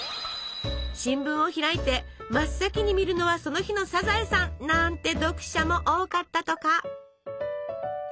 新聞を開いて真っ先に見るのはその日の「サザエさん」なんて読者も多かったとか。